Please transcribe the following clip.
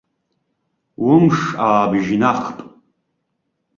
Умш аабыжьнахп.